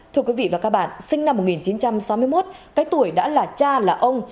thưa quý vị và các bạn sinh năm một nghìn chín trăm sáu mươi một cái tuổi đã là cha là ông